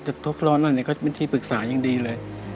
จะทดลองอันนี้ก็เป็นที่ปรึกษายังดีเลย